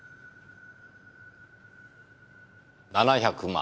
７５０万。